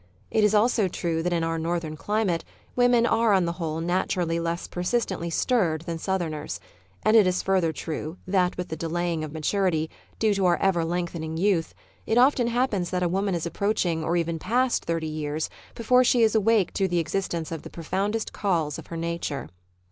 It is also true that in our northern climate women are on the whole naturally less persistently stirred than southerners; and it is further true that with the delay ing of maturity, due to our ever lengthening youth, it often happens that a woman is approaching or even past thirty years before she is awake to the existence of the profoundest calls of her nature.